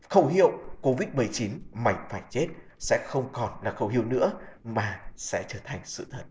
khẩu hiệu covid một mươi chín mảnh phải chết sẽ không còn là khẩu hiệu nữa mà sẽ trở thành sự thật